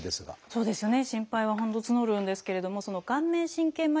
そうですね。